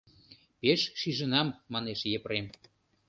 — Пеш шижынам, — манеш Епрем.